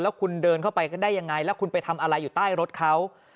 แล้วคุณเดินเข้าไปได้ยังไงแล้วคุณไปทำอะไรอยู่ใต้รถเขา